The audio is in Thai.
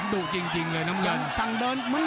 ดูจริงเลยน้ำมือ